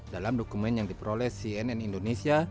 dalam dokumen yang diperoleh cnn indonesia